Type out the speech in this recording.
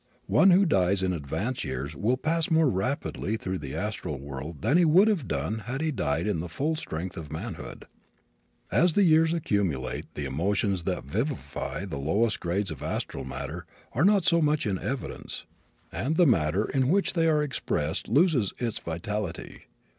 One who dies in advanced years will pass more rapidly through the astral world than he would have done had he died in the full strength of manhood. As the years accumulate the emotions that vivify the lowest grades of astral matter are not so much in evidence and the matter in which they are expressed loses its vitality.